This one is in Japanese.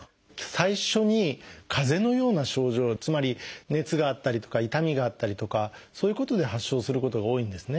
最初に風邪のような症状つまり熱があったりとか痛みがあったりとかそういうことで発症することが多いんですね。